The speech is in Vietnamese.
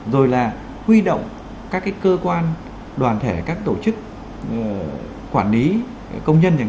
rồi là huy động các cơ quan đoàn thể các tổ chức quản lý công nhân